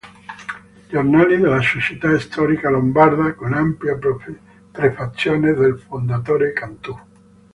Giornale della Società storica Lombarda" con ampia prefazione del fondatore Cantù.